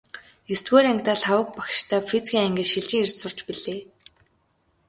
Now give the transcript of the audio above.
Есдүгээр ангидаа Лхагва багштай физикийн ангид шилжин ирж сурч билээ.